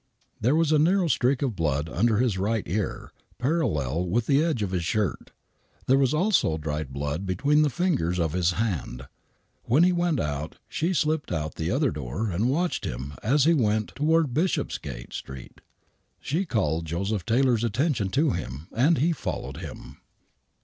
There was a narrow streak of blood under his right ear, parallel with the edge of his shirt. There was also dried blood between the fingers of his hand. When he went out she slipped out the other door and watched him as he went toward Bishopsgate Street. She called Josehp Taylor's attention to him, and he followed him.